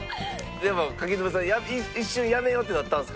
でも柿沼さん一瞬辞めようってなったんですか？